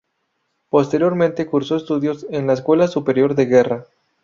Posteriormente cursó estudios en la Escuela Superior de Guerra.